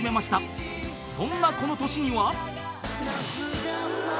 ［そんなこの年には］